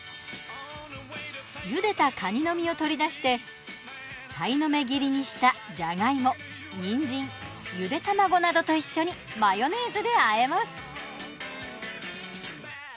ゆでた蟹の身を取り出してさいの目切りにしたジャガイモニンジンゆで卵などと一緒にマヨネーズであえます。